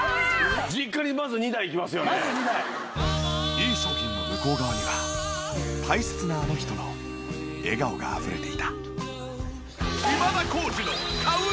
いい商品の向こう側には大切なあの人の笑顔があふれていた。